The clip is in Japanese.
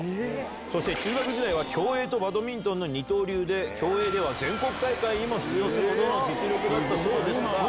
そして、中学時代は競泳とバドミントンの二刀流で、競泳では全国大会にも出場するほどの実力だったそうですが。